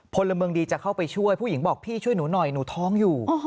พลเมืองดีจะเข้าไปช่วยผู้หญิงบอกพี่ช่วยหนูหน่อยหนูท้องอยู่